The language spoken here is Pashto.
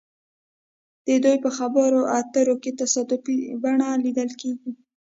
د دوی په خبرو اترو کې تصادفي بڼه لیدل کیږي